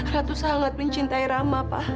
ratu sangat mencintai rama pak